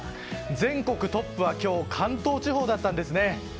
全国トップは今日関東地方だったんですね。